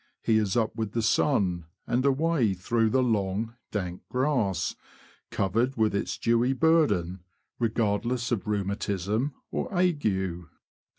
he is Up with the sun, and away through the long, dank grass, covered with its dewy burden, regard less of rheumatism or ague.